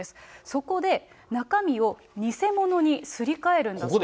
そこで、中身を偽物にすり替えるんだそうです。